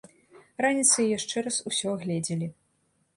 Раніцай яшчэ раз усё агледзелі.